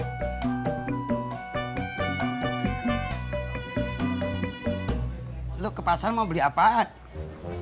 ya jadi mau ke pernikahannya lo selalu kutip acid